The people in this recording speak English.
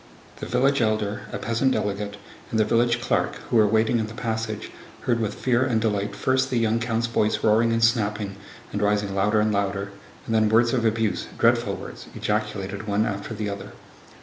The village elder, a peasant delegate, and the village clerk, who were waiting in the passage, heard with fear and delight first the young count's voice roaring and snapping and rising louder and louder, and then words of abuse, dreadful words, ejaculated one after the other.